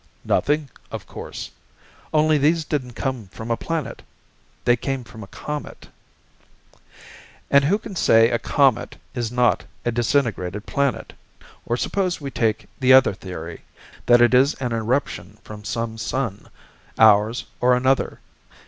"Nothing, of course. Only these didn't come from a planet. They came from a comet." "And who can say a comet is not a disintegrated planet? Or suppose we take the other theory, that it is an eruption from some sun, ours or another.